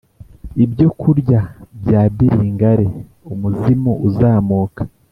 ibyokurya bya bilingale! umuzimu uzamuka